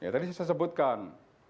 tadi saya sebutkan